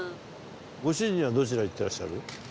ご主人はどちら行ってらっしゃる？